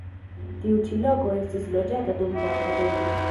Tiu ĉi loko estis loĝata dum la pratempoj.